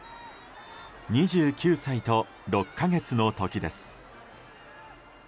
２９歳と６か月の時です。